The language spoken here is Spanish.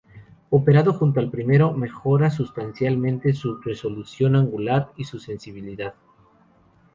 Operado junto al primero, mejora sustancialmente su resolución angular y su sensibilidad.